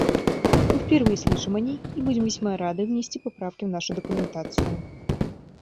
Мы впервые слышим о ней и будем весьма рады внести поправки в нашу документацию.